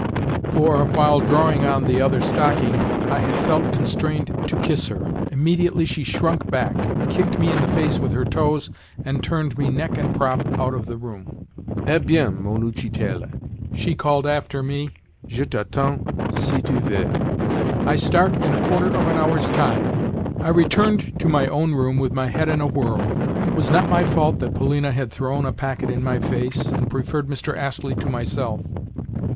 For, while drawing on the other stocking, I had felt constrained to kiss her. Immediately she shrunk back, kicked me in the face with her toes, and turned me neck and crop out of the room. "Eh bien, mon 'utchitel'," she called after me, "je t'attends, si tu veux. I start in a quarter of an hour's time." I returned to my own room with my head in a whirl. It was not my fault that Polina had thrown a packet in my face, and preferred Mr. Astley to myself.